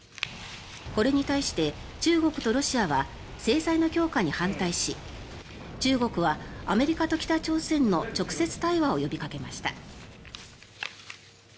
これに対して、中国とロシアは制裁の強化に反対し中国は、アメリカと北朝鮮の直接対話を呼びかけました。